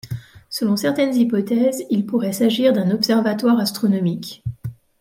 Selon certaines hypothèses, il pourrait s'agir d'un observatoire astronomique.